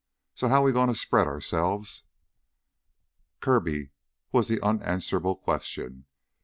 So, how we gonna spread ourselves ?" Kirby's was the unanswerable question.